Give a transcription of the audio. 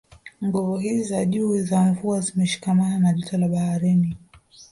Nguvu hizi za juu za mvua zimeshikamana na joto la baharini